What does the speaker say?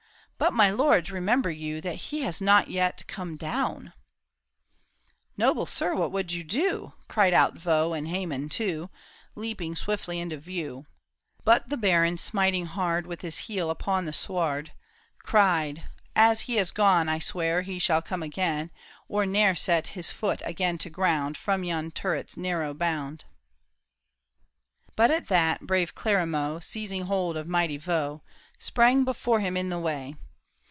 But, my lords, remember you, That he has not yet come down !" THE TOWER OF BOUVERIE. " Noble sir, what would you do ?" Cried out Vaux and Hamon too, Leaping swiftly into view. But the baron smiting hard With his heel upon the sward. Cried, " As he has gone, I swear He shall come again, or ne'er Set his foot again to ground From yon turret's narrow bound." But at that brave Clarimaux, Seizing hold of mighty Vaux, Sprang before him in the way.